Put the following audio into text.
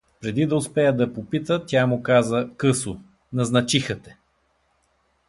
Преди да успее да я попита, тя му каза късо: — Назначиха те!